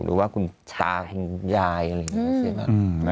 หรือว่าคุณชายคุณยายอะไรอย่างนี้